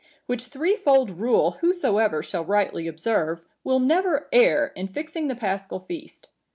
Which threefold rule whosoever shall rightly observe, will never err in fixing the Paschal feast.